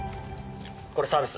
これサービス。